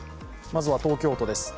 まずは東京都です。